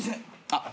あっ！